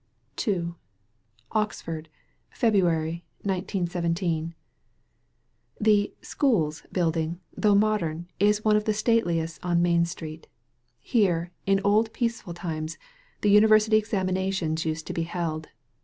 II OXFORD Febmaxy. 1917 ) The "Schools" building, though modem, is one of the stateliest on the Main Street. Here, in old peaceful times, the university examinations used to be held.